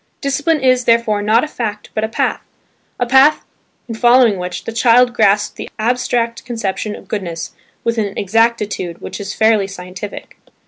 Discipline is, therefore, not a fact but a path, a path in following which the child grasps the abstract conception of goodness with an exactitude which is fairly scientific.